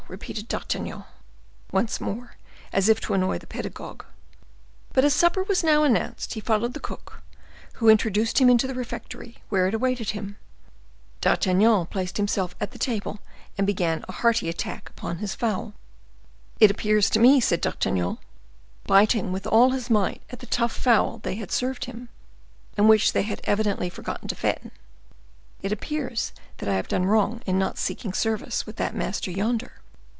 repeated D'Artagnan, once more, as if to annoy the pedagogue. But as supper was now announced, he followed the cook, who introduced him into the refectory, where it awaited him. D'Artagnan placed himself at the table, and began a hearty attack upon his fowl. "It appears to me," said D'Artagnan, biting with all his might at the tough fowl they had served up to him, and which they had evidently forgotten to fatten,—"it appears that I have done wrong in not seeking service with that master yonder.